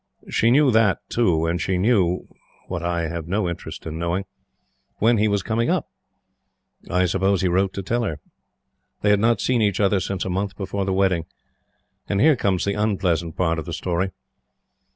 She knew that, too, and she knew what I had no interest in knowing when he was coming up. I suppose he wrote to tell her. They had not seen each other since a month before the wedding. And here comes the unpleasant part of the story.